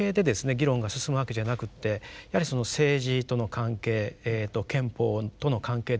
議論が進むわけじゃなくってやはり政治との関係憲法との関係ですね